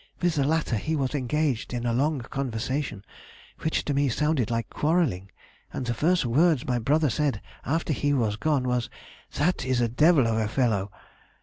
With the latter he was engaged in a long conversation, which to me sounded like quarrelling, and the first words my brother said after he was gone was: 'That is a devil of a fellow.